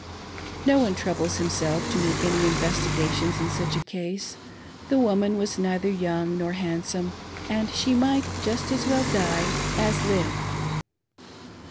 No one troubles himself to make any investigations in such a case :— the woman was neither young nor handsome, and she might just as well die as live